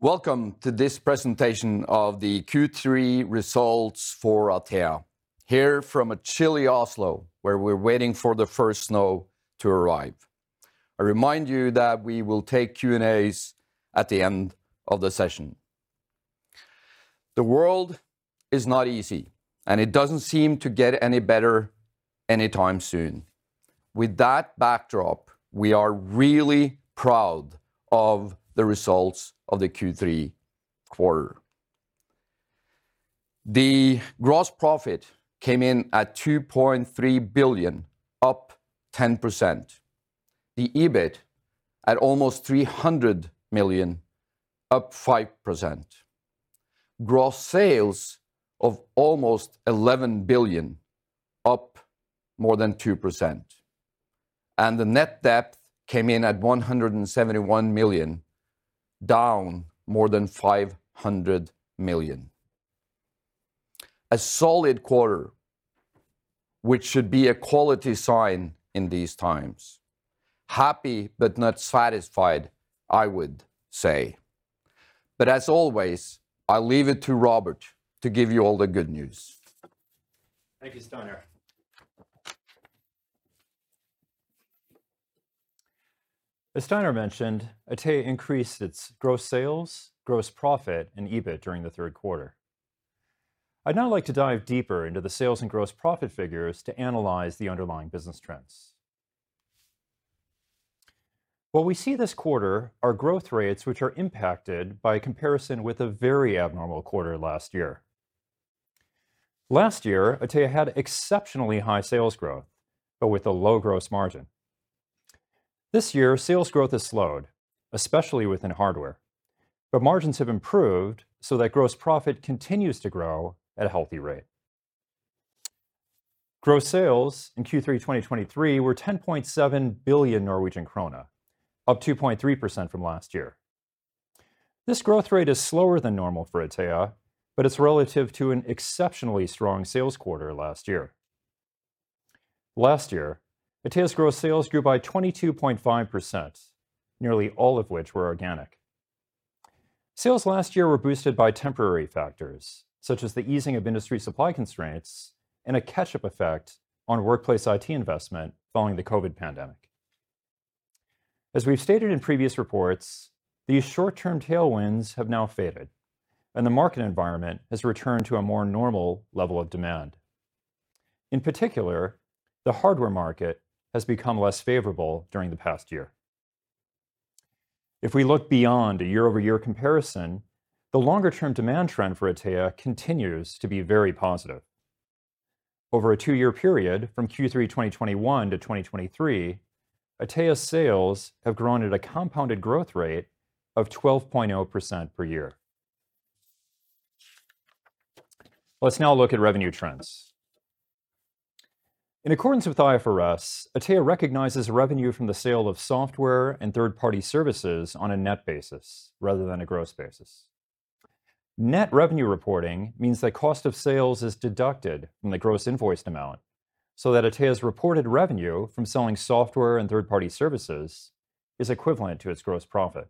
Welcome to this presentation of the Q3 results for Atea, here from a chilly Oslo, where we're waiting for the first snow to arrive. I remind you that we will take Q&As at the end of the session. The world is not easy, and it doesn't seem to get any better anytime soon. With that backdrop, we are really proud of the results of the Q3 quarter. The gross profit came in at 2.3 billion, up 10%. The EBIT at almost 300 million, up 5%. Gross sales of almost 11 billion, up more than 2%, and the net debt came in at 171 million, down more than 500 million. A solid quarter, which should be a quality sign in these times. Happy but not satisfied, I would say. But as always, I'll leave it to Robert to give you all the good news. Thank you, Steinar. As Steinar mentioned, Atea increased its gross sales, gross profit, and EBIT during the third quarter. I'd now like to dive deeper into the sales and gross profit figures to analyze the underlying business trends. What we see this quarter are growth rates, which are impacted by comparison with a very abnormal quarter last year. Last year, Atea had exceptionally high sales growth, but with a low gross margin. This year, sales growth has slowed, especially within hardware, but margins have improved so that gross profit continues to grow at a healthy rate. Gross sales in Q3 2023 were 10.7 billion Norwegian krone, up 2.3% from last year. This growth rate is slower than normal for Atea, but it's relative to an exceptionally strong sales quarter last year. Last year, Atea's gross sales grew by 22.5%, nearly all of which were organic. Sales last year were boosted by temporary factors, such as the easing of industry supply constraints and a catch-up effect on workplace IT investment following the COVID pandemic. As we've stated in previous reports, these short-term tailwinds have now faded, and the market environment has returned to a more normal level of demand. In particular, the hardware market has become less favorable during the past year. If we look beyond a year-over-year comparison, the longer-term demand trend for Atea continues to be very positive. Over a two-year period, from Q3 2021 to 2023, Atea's sales have grown at a compounded growth rate of 12.0% per year. Let's now look at revenue trends. In accordance with IFRS, Atea recognizes revenue from the sale of software and third-party services on a net basis rather than a gross basis. Net revenue reporting means that cost of sales is deducted from the gross invoiced amount, so that Atea's reported revenue from selling software and third-party services is equivalent to its gross profit.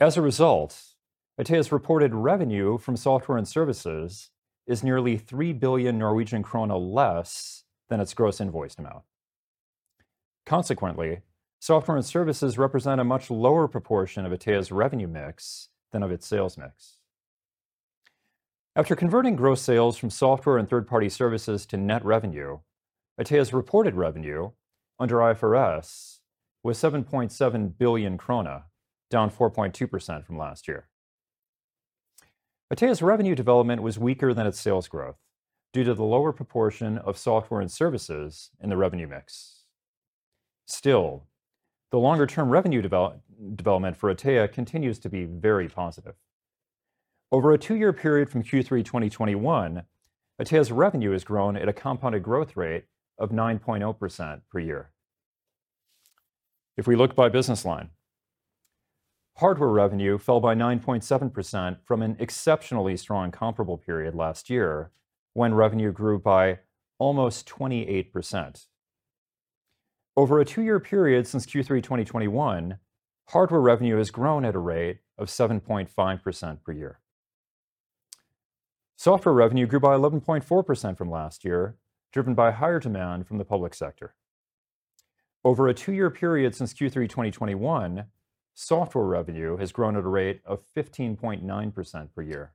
As a result, Atea's reported revenue from software and services is nearly 3 billion Norwegian krone less than its gross invoiced amount. Consequently, software and services represent a much lower proportion of Atea's revenue mix than of its sales mix. After converting gross sales from software and third-party services to net revenue, Atea's reported revenue under IFRS was 7.7 billion krone, down 4.2% from last year. Atea's revenue development was weaker than its sales growth due to the lower proportion of software and services in the revenue mix. Still, the longer-term revenue development for Atea continues to be very positive. Over a two-year period from Q3 2021, Atea's revenue has grown at a compounded growth rate of 9.0% per year. If we look by business line, hardware revenue fell by 9.7% from an exceptionally strong comparable period last year, when revenue grew by almost 28%. Over a two-year period since Q3 2021, hardware revenue has grown at a rate of 7.5% per year. Software revenue grew by 11.4% from last year, driven by higher demand from the public sector. Over a two-year period since Q3 2021, software revenue has grown at a rate of 15.9% per year.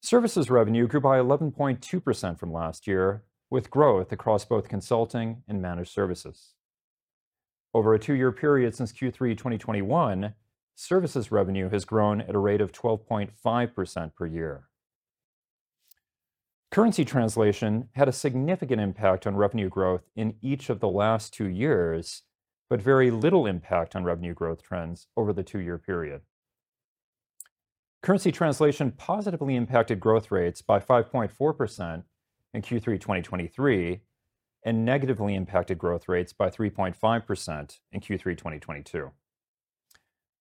Services revenue grew by 11.2% from last year, with growth across both consulting and managed services. Over a two-year period since Q3 2021, services revenue has grown at a rate of 12.5% per year. Currency translation had a significant impact on revenue growth in each of the last two years, but very little impact on revenue growth trends over the two-year period. Currency translation positively impacted growth rates by 5.4% in Q3 2023, and negatively impacted growth rates by 3.5% in Q3 2022.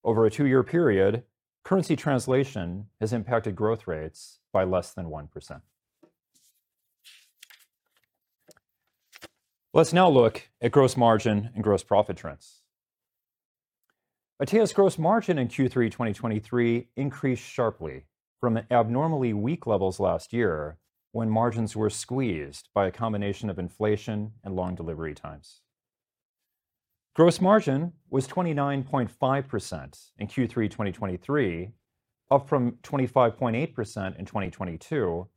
Over a two-year period, currency translation has impacted growth rates by less than 1%.... Let's now look at gross margin and gross profit trends. Atea's gross margin in Q3 2023 increased sharply from the abnormally weak levels last year, when margins were squeezed by a combination of inflation and long delivery times. Gross margin was 29.5% in Q3 2023, up from 25.8% in 2022,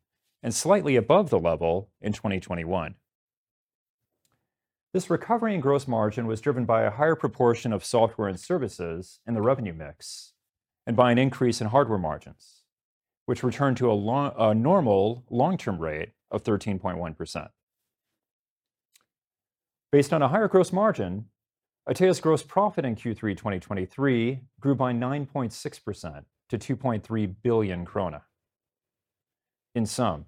and slightly above the level in 2021. This recovery in gross margin was driven by a higher proportion of software and services in the revenue mix, and by an increase in hardware margins, which returned to a normal long-term rate of 13.1%. Based on a higher gross margin, Atea's gross profit in Q3 2023 grew by 9.6% to 2.3 billion krone. In sum,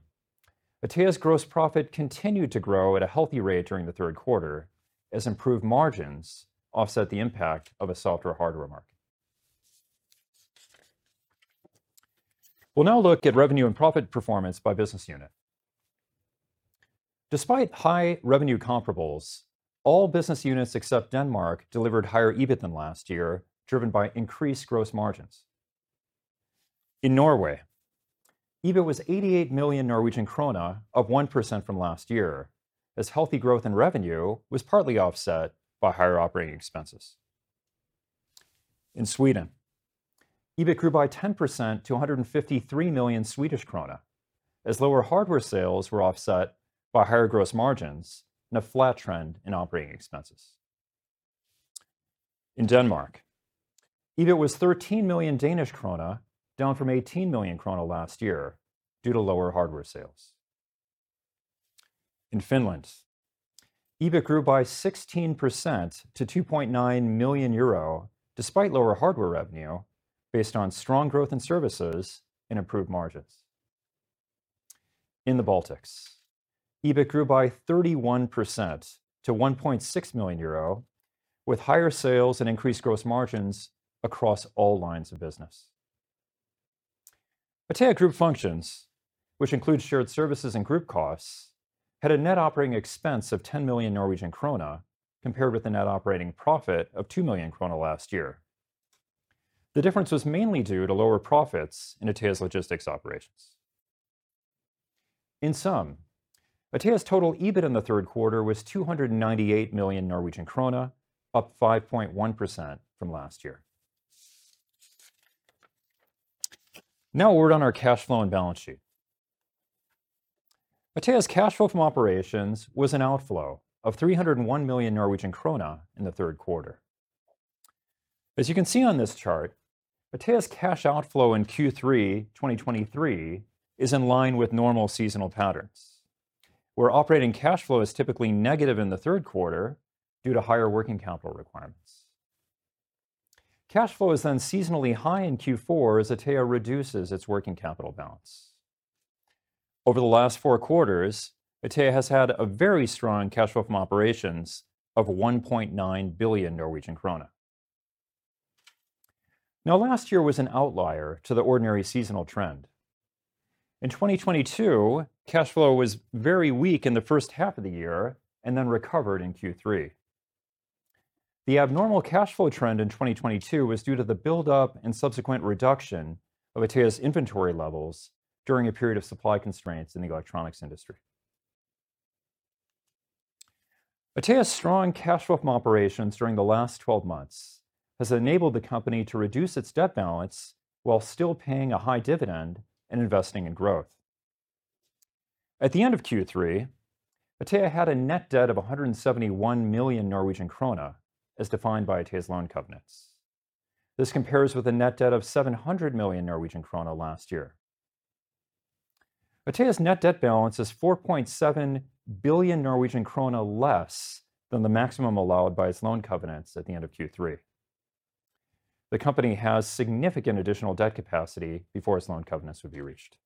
Atea's gross profit continued to grow at a healthy rate during the third quarter, as improved margins offset the impact of a softer hardware market. We'll now look at revenue and profit performance by business unit. Despite high revenue comparables, all business units except Denmark delivered higher EBIT than last year, driven by increased gross margins. In Norway, EBIT was 88 million Norwegian krone, up 1% from last year, as healthy growth in revenue was partly offset by higher operating expenses. In Sweden, EBIT grew by 10% to 153 million Swedish krona, as lower hardware sales were offset by higher gross margins and a flat trend in operating expenses. In Denmark, EBIT was 13 million Danish krone, down from 18 million krone last year due to lower hardware sales. In Finland, EBIT grew by 16% to 2.9 million euro, despite lower hardware revenue, based on strong growth in services and improved margins. In the Baltics, EBIT grew by 31% to 1.6 million euro, with higher sales and increased gross margins across all lines of business. Atea Group Functions, which includes shared services and group costs, had a net operating expense of 10 million Norwegian krone, compared with a net operating profit of 2 million krone last year. The difference was mainly due to lower profits in Atea's logistics operations. In sum, Atea's total EBIT in the third quarter was 298 million Norwegian krone, up 5.1% from last year. Now, a word on our cash flow and balance sheet. Atea's cash flow from operations was an outflow of 301 million Norwegian krone in the third quarter. As you can see on this chart, Atea's cash outflow in Q3 2023 is in line with normal seasonal patterns, where operating cash flow is typically negative in the third quarter due to higher working capital requirements. Cash flow is then seasonally high in Q4 as Atea reduces its working capital balance. Over the last four quarters, Atea has had a very strong cash flow from operations of 1.9 billion Norwegian krone. Now, last year was an outlier to the ordinary seasonal trend. In 2022, cash flow was very weak in the first half of the year and then recovered in Q3. The abnormal cash flow trend in 2022 was due to the buildup and subsequent reduction of Atea's inventory levels during a period of supply constraints in the electronics industry. Atea's strong cash flow from operations during the last 12 months has enabled the company to reduce its debt balance while still paying a high dividend and investing in growth. At the end of Q3, Atea had a net debt of 171 million Norwegian krone, as defined by Atea's loan covenants. This compares with a net debt of 700 million Norwegian krone last year. Atea's net debt balance is 4.7 billion Norwegian krone less than the maximum allowed by its loan covenants at the end of Q3. The company has significant additional debt capacity before its loan covenants would be reached.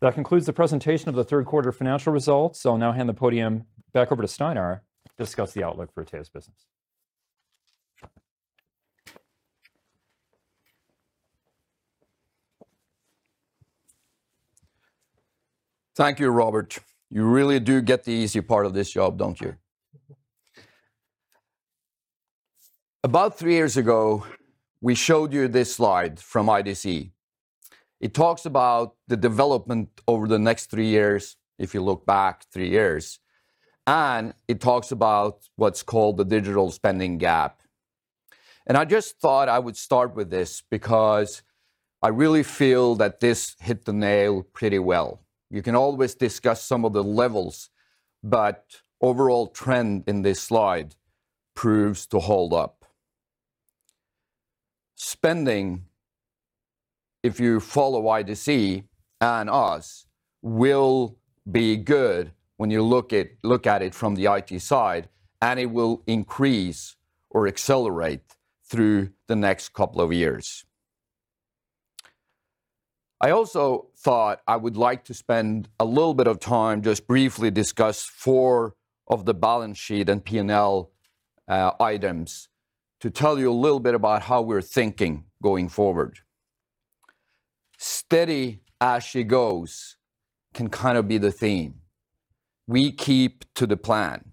That concludes the presentation of the third quarter financial results. I'll now hand the podium back over to Steinar to discuss the outlook for Atea's business. Thank you, Robert. You really do get the easy part of this job, don't you? About three years ago, we showed you this slide from IDC. It talks about the development over the next three years, if you look back three years, and it talks about what's called the digital spending gap. And I just thought I would start with this because I really feel that this hit the nail pretty well. You can always discuss some of the levels, but overall trend in this slide proves to hold up. Spending, if you follow IDC and us, will be good when you look at it from the IT side, and it will increase or accelerate through the next couple of years. I also thought I would like to spend a little bit of time just briefly discuss for the balance sheet and P&L items, to tell you a little bit about how we're thinking going forward... Steady as she goes can kind of be the theme. We keep to the plan.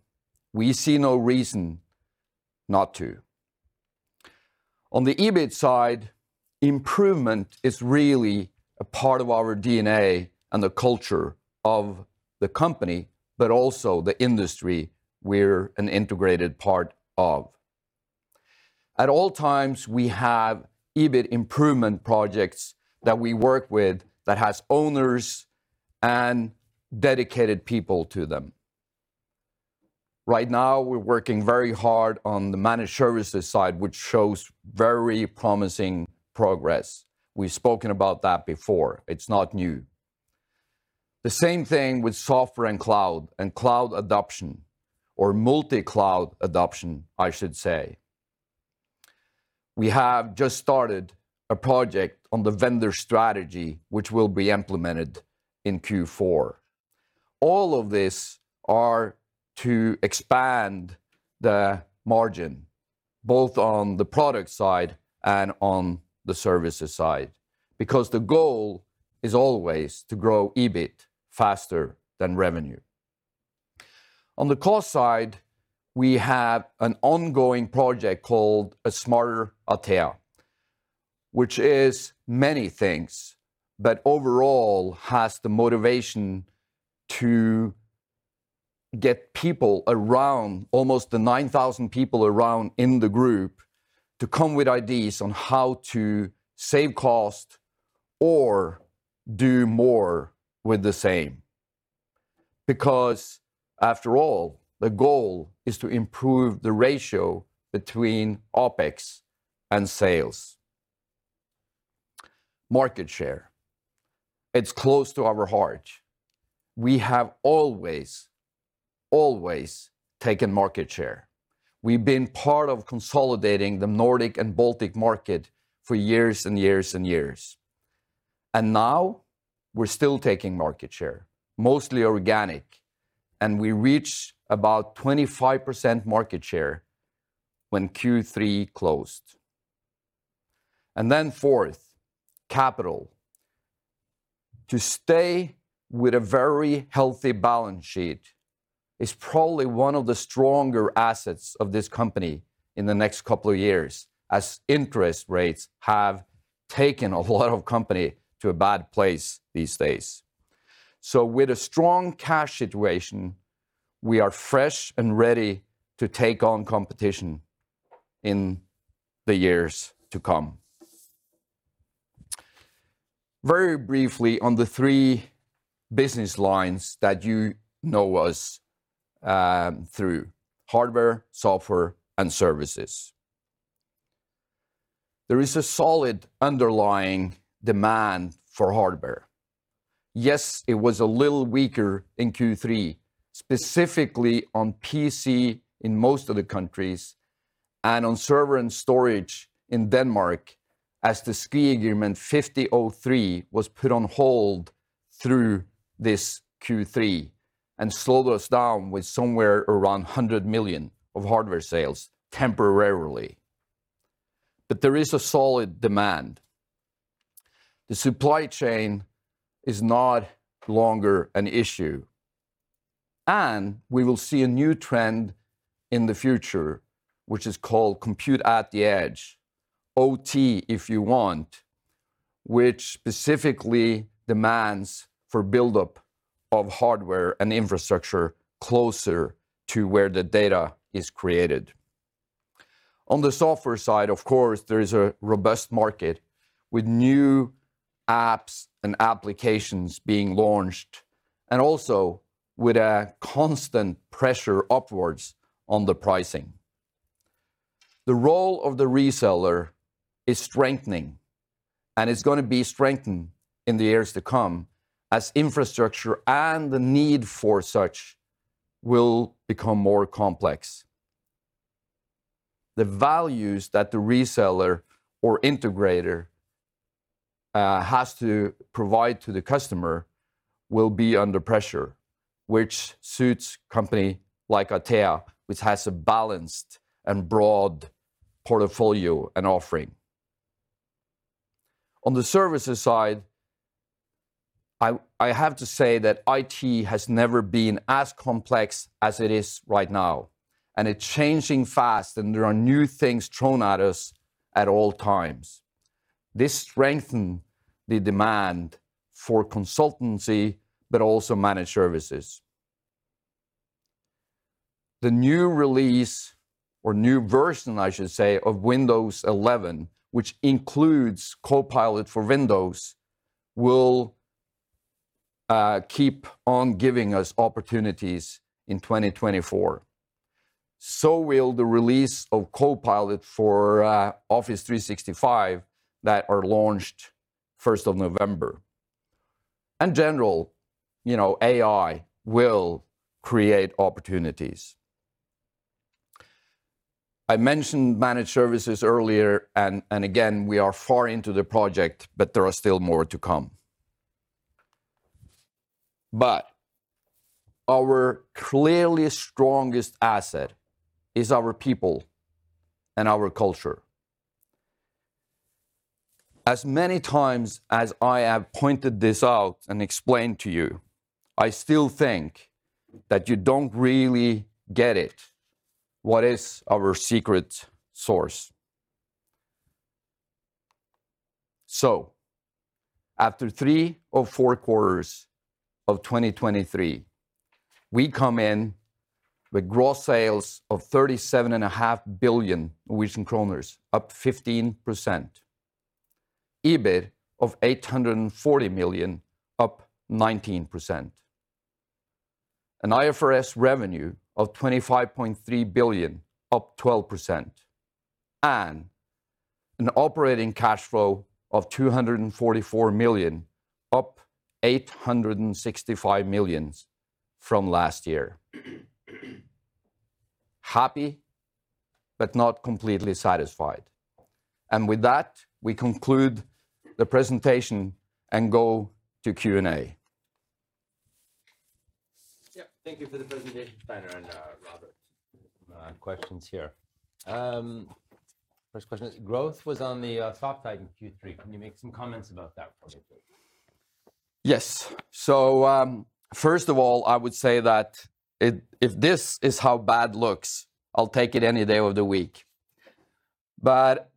We see no reason not to. On the EBIT side, improvement is really a part of our DNA and the culture of the company, but also the industry we're an integrated part of. At all times, we have EBIT improvement projects that we work with that has owners and dedicated people to them. Right now, we're working very hard on the managed services side, which shows very promising progress. We've spoken about that before. It's not new. The same thing with software and cloud, and cloud adoption, or multi-cloud adoption, I should say. We have just started a project on the vendor strategy, which will be implemented in Q4. All of this are to expand the margin, both on the product side and on the services side, because the goal is always to grow EBIT faster than revenue. On the cost side, we have an ongoing project called A Smarter Atea, which is many things, but overall has the motivation to get people around, almost the 9,000 people around in the group, to come with ideas on how to save cost or do more with the same. Because after all, the goal is to improve the ratio between OpEx and sales. Market share, it's close to our heart. We have always, always taken market share. We've been part of consolidating the Nordic and Baltic market for years and years and years, and now we're still taking market share, mostly organic, and we reached about 25% market share when Q3 closed. Then fourth, capital. To stay with a very healthy balance sheet is probably one of the stronger assets of this company in the next couple of years, as interest rates have taken a lot of company to a bad place these days. So with a strong cash situation, we are fresh and ready to take on competition in the years to come. Very briefly, on the three business lines that you know us through: hardware, software, and services. There is a solid underlying demand for hardware. Yes, it was a little weaker in Q3, specifically on PC in most of the countries, and on server and storage in Denmark, as the SKI agreement 50.03 was put on hold through this Q3 and slowed us down with somewhere around 100 million of hardware sales temporarily. But there is a solid demand. The supply chain is no longer an issue, and we will see a new trend in the future, which is called compute at the edge, OT, if you want, which specifically demands for buildup of hardware and infrastructure closer to where the data is created. On the software side, of course, there is a robust market with new apps and applications being launched, and also with a constant pressure upwards on the pricing. The role of the reseller is strengthening, and it's gonna be strengthened in the years to come, as infrastructure and the need for such will become more complex. The values that the reseller or integrator has to provide to the customer will be under pressure, which suits company like Atea, which has a balanced and broad portfolio and offering. On the services side, I have to say that IT has never been as complex as it is right now, and it's changing fast, and there are new things thrown at us at all times. This strengthen the demand for consultancy, but also managed services. The new release or new version, I should say, of Windows 11, which includes Copilot for Windows, will keep on giving us opportunities in 2024. So will the release of Copilot for Office 365 that are launched first of November. In general, you know, AI will create opportunities. I mentioned managed services earlier, and, and again, we are far into the project, but there are still more to come... But our clearly strongest asset is our people and our culture. As many times as I have pointed this out and explained to you, I still think that you don't really get it, what is our secret source. So after three of four quarters of 2023, we come in with gross sales of 37.5 billion Norwegian kroner, up 15%, EBIT of 840 million, up 19%, an IFRS revenue of 25.3 billion, up 12%, and an operating cash flow of 244 million, up 865 million from last year. Happy, but not completely satisfied. And with that, we conclude the presentation and go to Q&A. Yeah, thank you for the presentation, Steinar and Robert. Questions here. First question is, growth was on the soft side in Q3. Can you make some comments about that for me, please? Yes. So, first of all, I would say that if this is how bad looks, I'll take it any day of the week. But,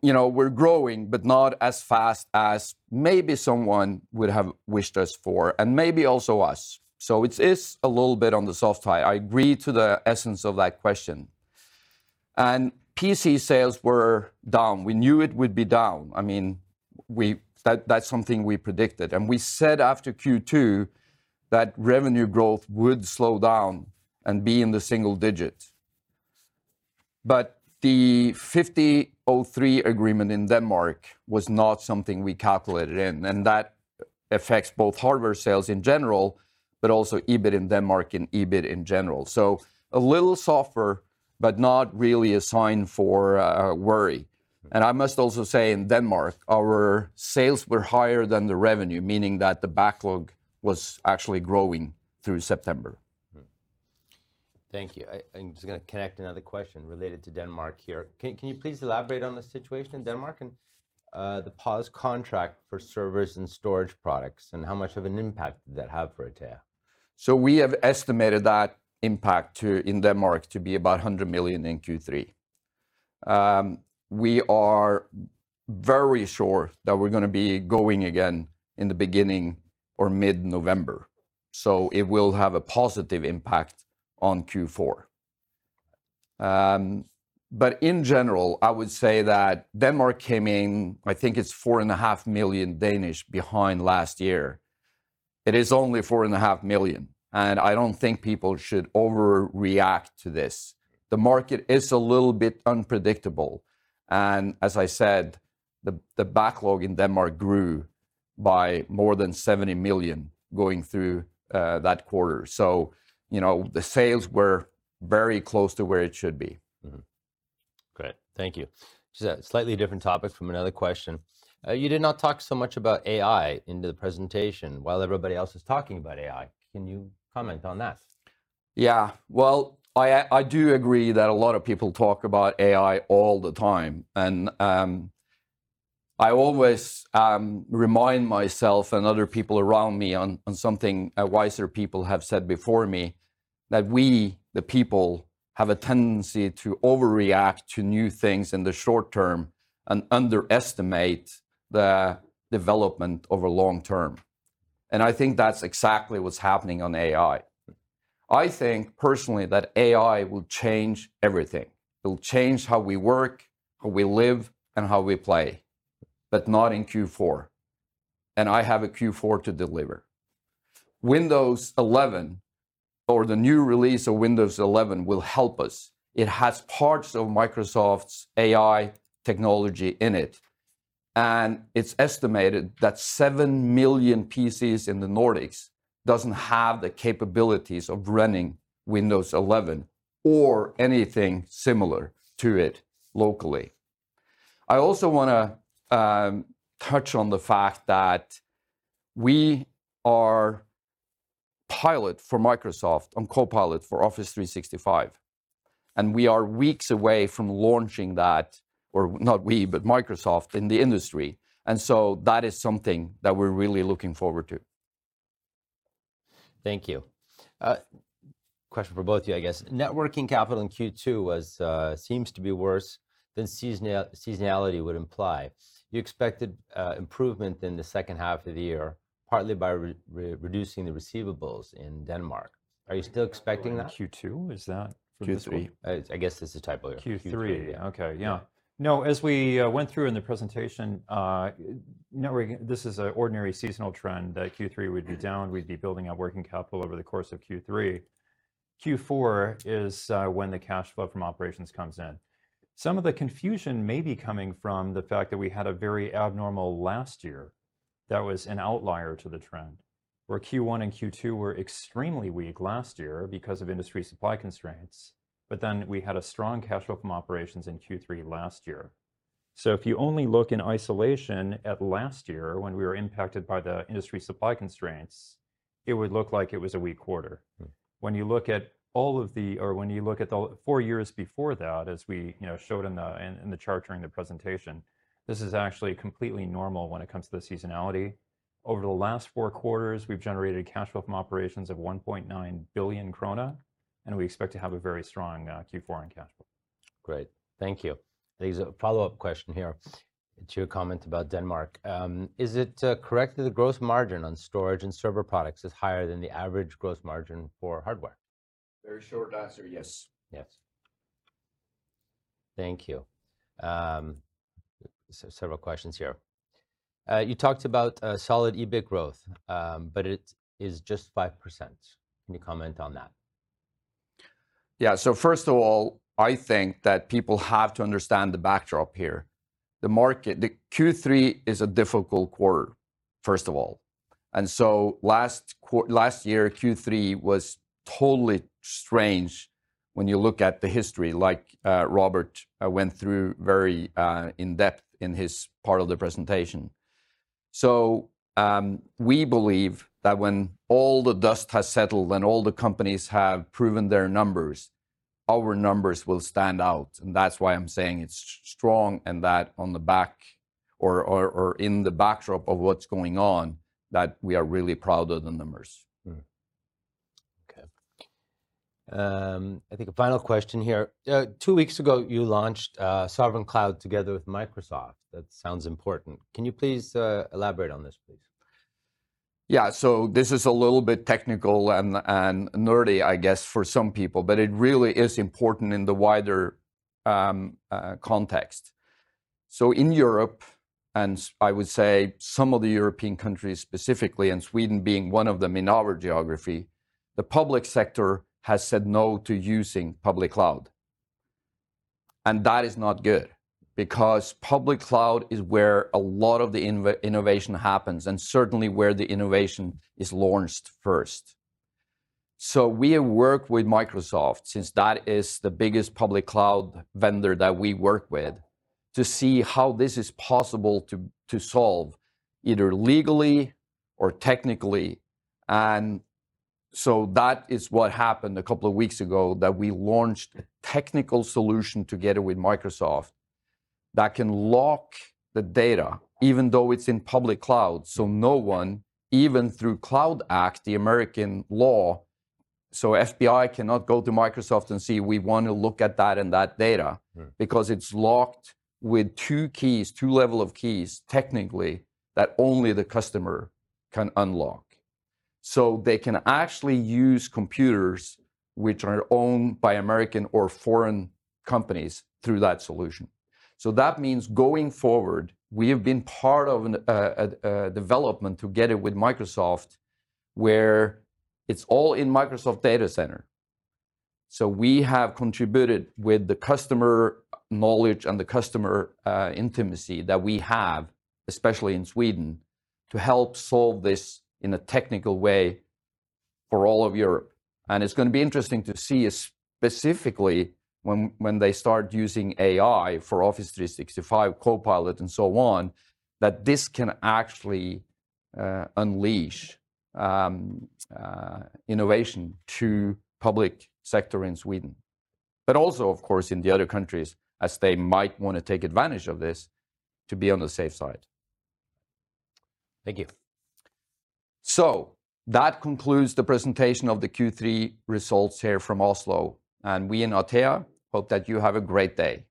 you know, we're growing, but not as fast as maybe someone would have wished us for, and maybe also us. So it is a little bit on the soft side. I agree to the essence of that question. And PC sales were down. We knew it would be down. I mean, that's something we predicted, and we said after Q2 that revenue growth would slow down and be in the single digits. But the 50.03 agreement in Denmark was not something we calculated in, and that affects both hardware sales in general, but also EBIT in Denmark and EBIT in general. So a little softer, but not really a sign for worry. I must also say, in Denmark, our sales were higher than the revenue, meaning that the backlog was actually growing through September. Mm-hmm. Thank you. I'm just gonna connect another question related to Denmark here. Can you please elaborate on the situation in Denmark, and the paused contract for servers and storage products, and how much of an impact did that have for Atea? So we have estimated that impact to, in Denmark, to be about 100 million in Q3. We are very sure that we're gonna be going again in the beginning or mid-November, so it will have a positive impact on Q4. But in general, I would say that Denmark came in, I think it's 4.5 million Danish behind last year. It is only 4.5 million, and I don't think people should overreact to this. The market is a little bit unpredictable, and as I said, the backlog in Denmark grew by more than 70 million going through that quarter. So, you know, the sales were very close to where it should be. Mm-hmm. Great. Thank you. Just a slightly different topic from another question. You did not talk so much about AI in the presentation. While everybody else is talking about AI, can you comment on that? Yeah. Well, I do agree that a lot of people talk about AI all the time, and I always remind myself and other people around me on something a wiser people have said before me, that we, the people, have a tendency to overreact to new things in the short-term and underestimate the development over long-term, and I think that's exactly what's happening on AI. I think, personally, that AI will change everything. It'll change how we work, how we live, and how we play, but not in Q4, and I have a Q4 to deliver. Windows 11 or the new release of Windows 11 will help us. It has parts of Microsoft's AI technology in it, and it's estimated that 7 million PCs in the Nordics doesn't have the capabilities of running Windows 11 or anything similar to it locally. I also wanna touch on the fact that we are pilot for Microsoft and Copilot for Office 365, and we are weeks away from launching that, or not we, but Microsoft in the industry, and so that is something that we're really looking forward to. Thank you. Question for both of you, I guess. Working capital in Q2 was, seems to be worse than seasonality would imply. You expected, improvement in the second half of the year, partly by reducing the receivables in Denmark. Are you still expecting that? Q2, is that? Q3. I guess it's a typo. Q3. Q3. Okay, yeah. No, as we went through in the presentation, this is an ordinary seasonal trend, that Q3 would be down. We'd be building our working capital over the course of Q3. Q4 is when the cash flow from operations comes in. Some of the confusion may be coming from the fact that we had a very abnormal last year that was an outlier to the trend, where Q1 and Q2 were extremely weak last year because of industry supply constraints, but then we had a strong cash flow from operations in Q3 last year. So if you only look in isolation at last year, when we were impacted by the industry supply constraints, it would look like it was a weak quarter. Mm. When you look at all of the, or when you look at the four years before that, as we, you know, showed in the, in, in the chart during the presentation, this is actually completely normal when it comes to the seasonality. Over the last four quarters, we've generated cash flow from operations of 1.9 billion krone, and we expect to have a very strong Q4 in cash flow. Great. Thank you. There's a follow-up question here to your comment about Denmark. Is it correct that the gross margin on storage and server products is higher than the average gross margin for hardware? Very short answer, yes. Yes. Thank you. Several questions here. You talked about solid EBIT growth, but it is just 5%. Can you comment on that? Yeah, so first of all, I think that people have to understand the backdrop here. The market- the Q3 is a difficult quarter, first of all, and so last quar- last year, Q3 was totally strange when you look at the history, like, Robert went through very in depth in his part of the presentation. So, we believe that when all the dust has settled and all the companies have proven their numbers, our numbers will stand out, and that's why I'm saying it's strong and that on the back or, or, or in the backdrop of what's going on, that we are really proud of the numbers. Okay. I think a final question here. Two weeks ago, you launched Sovereign Cloud together with Microsoft. That sounds important. Can you please elaborate on this, please? Yeah, so this is a little bit technical and nerdy, I guess, for some people, but it really is important in the wider context. So in Europe, I would say some of the European countries specifically, and Sweden being one of them in our geography, the public sector has said no to using public cloud, and that is not good because public cloud is where a lot of the innovation happens, and certainly where the innovation is launched first. So we have worked with Microsoft, since that is the biggest public cloud vendor that we work with, to see how this is possible to solve, either legally or technically. And so that is what happened a couple of weeks ago, that we launched a technical solution together with Microsoft that can lock the data, even though it's in public cloud, so no one, even through CLOUD Act, the American law... So FBI cannot go to Microsoft and say, "We want to look at that and that data- Mm. because it's locked with two keys, two level of keys, technically, that only the customer can unlock." So they can actually use computers which are owned by American or foreign companies through that solution. So that means going forward, we have been part of a development together with Microsoft, where it's all in Microsoft data center. So we have contributed with the customer knowledge and the customer intimacy that we have, especially in Sweden, to help solve this in a technical way for all of Europe. And it's gonna be interesting to see, specifically, when they start using AI for Office 365 Copilot and so on, that this can actually unleash innovation to public sector in Sweden, but also, of course, in the other countries, as they might wanna take advantage of this to be on the safe side. Thank you. That concludes the presentation of the Q3 results here from Oslo, and we in Atea hope that you have a great day.